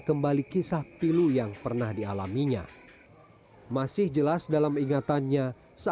kembali kisah pilu yang pernah dialaminya masih jelas dalam ingatannya saat dua orang